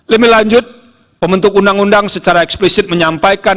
lebih lanjut pembentuk undang undang secara eksplisit menyampaikan